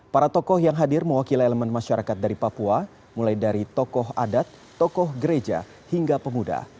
para tokoh yang hadir mewakili elemen masyarakat dari papua mulai dari tokoh adat tokoh gereja hingga pemuda